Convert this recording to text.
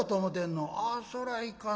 「あっそらいかんなあ。